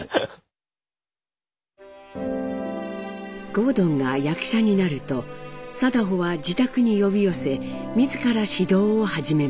郷敦が役者になると禎穗は自宅に呼び寄せ自ら指導を始めます。